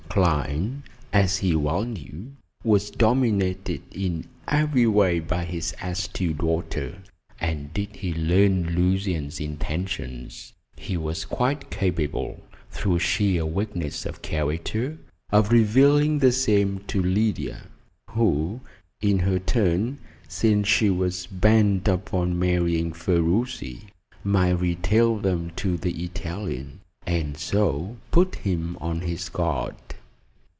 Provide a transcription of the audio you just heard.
Clyne, as he well knew, was dominated in every way by his astute daughter, and did he learn Lucian's intentions, he was quite capable through sheer weakness of character of revealing the same to Lydia, who, in her turn since she was bent upon marrying Ferruci might retail them to the Italian, and so put him on his guard.